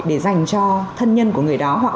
để dành cho thân nhân của người đó